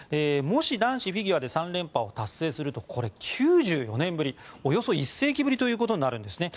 もし男子フィギュアで３連覇を達成すると、およそ９４年ぶりおよそ１世紀ぶりとなります。